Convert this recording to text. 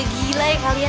udah gila ya kalian ya